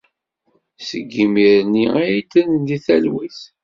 Seg yimir-nni ay ddren deg talwit.